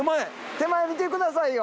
手前見てくださいよ。